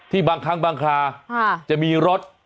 บางครั้งบางคราจะมีรถ